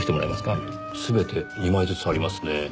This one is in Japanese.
全て２枚ずつありますね。